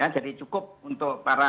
jadi cukup untuk para